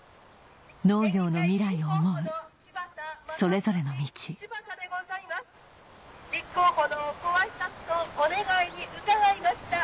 農業の未来を思うそれぞれの道立候補のご挨拶とお願いに伺いました。